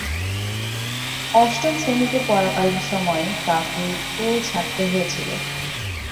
অষ্টম শ্রেণীতে পড়াকালীন সময়ে তাকে স্কুল ছাড়তে হয়েছিল।